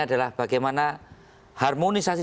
adalah bagaimana harmonisasi